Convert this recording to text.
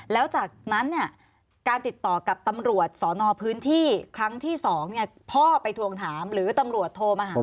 แล้วจากนั้นเนี่ยการติดต่อกับตำรวจสอนอพื้นที่ครั้งที่๒พ่อไปทวงถามหรือตำรวจโทรมาหา